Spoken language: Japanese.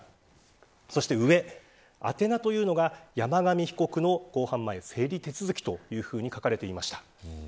そして上、宛名というのが山上被告の公判前整理手続きというふうに書かれていました。